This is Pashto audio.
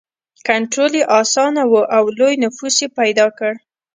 کنټرول یې اسانه و او لوی نفوس یې پیدا کړ.